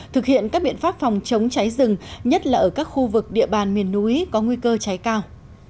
thực hiện các biện pháp phòng chống cháy rừng nhất là ở các khu vực địa bàn miền núi có nguy cơ cháy cao